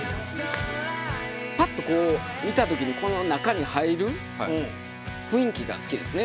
パッとこう見た時にこの中に入る雰囲気が好きですね。